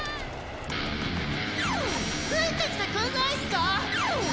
ついてきてくんないんすか！？